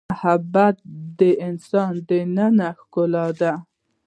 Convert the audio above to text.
محبت د انسان دنننۍ ښکلا ده.